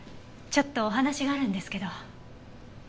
ちょっとお話があるんですけど。